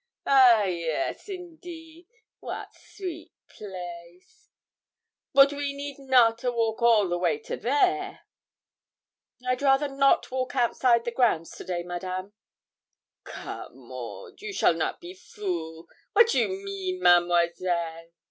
'A yes indeed! wat sweet place! bote we need not a walk all the way to there.' 'I'd rather not walk outside the grounds to day, Madame.' 'Come, Maud, you shall not be fool wat you mean, Mademoiselle?'